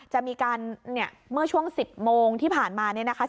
จะมีการเนี่ยเมื่อช่วง๑๐โมงที่ผ่านมาเนี่ยนะคะ